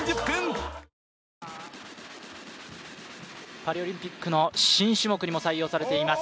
パリオリンピックの新種目にも採用されています